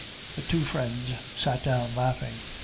The two friends sat down laughing.